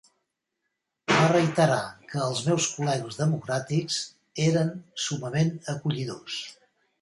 Va reiterar que els meus col·legues democràtics eren summament acollidors.